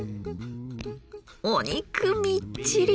お肉みっちり。